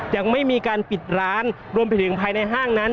ยังไม่มีการปิดร้านรวมไปถึงภายในห้างนั้น